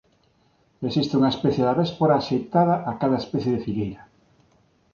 Existe unha especie de avéspora axeitada a cada especie de figueira.